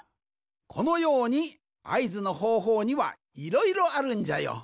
このようにあいずのほうほうにはいろいろあるんじゃよ。